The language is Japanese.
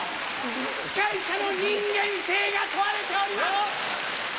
司会者の人間性が問われております。